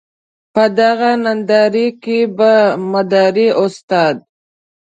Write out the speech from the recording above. په دغه ننداره کې به مداري استاد.